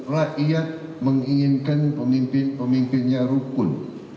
rakyat menginginkan pemimpin pemimpinnya rukun